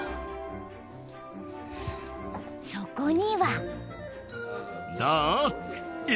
［そこには］